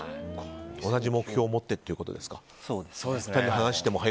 同じ目標を持ってということですか。